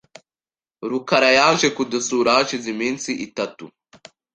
rukara yaje kudusura hashize iminsi itatu .